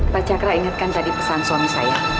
pak cakra ingatkan tadi pesan suami saya